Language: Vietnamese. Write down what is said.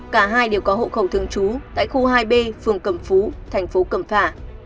cả hai đều có hộ khẩu thương chú tại khu hai b phường cẩm phú thành phố cẩm phả